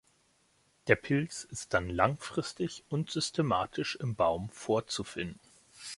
Der Pilz ist dann langfristig und systematisch im Baum vorzufinden.